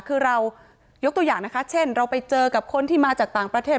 คือเรายกตัวอย่างนะคะเช่นเราไปเจอกับคนที่มาจากต่างประเทศ